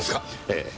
ええ。